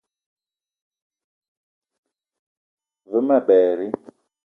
Ve ma berri